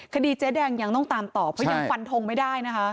คดีเจ๊แดงยังต้องตามต่อเพราะยังฟันทงไม่ได้นะคะ